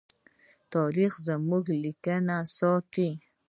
تاریخ زموږ لیکنې ساتي.